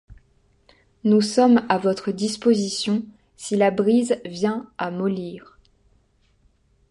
Nous sommes à votre disposition si la brise vient à mollir...